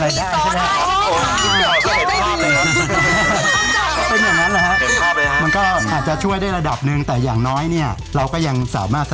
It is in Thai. แล้วเราจดทะเบียนสมรส